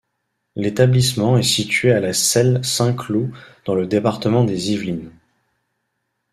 L'établissement est situé à la Celle Saint Cloud dans le département des Yvelines.